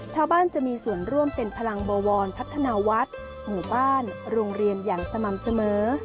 จะมีส่วนร่วมเป็นพลังบวรพัฒนาวัดหมู่บ้านโรงเรียนอย่างสม่ำเสมอ